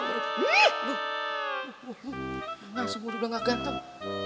ngasih mulut gue nggak ganteng